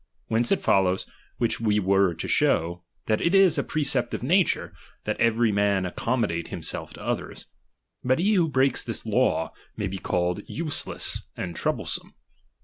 Whence it follows, (which we were to show), that it is a pre cept of nature, that every man accommodate him self to others. But he who breaks this law. may be called useless and troublesome.